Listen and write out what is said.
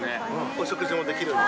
お食事もできるように。